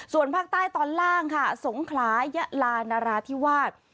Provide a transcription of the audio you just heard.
ส่วนภาคใต้ตอนล่างค่ะสงขลายะลานราธิวาส